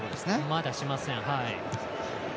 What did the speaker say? まだしません。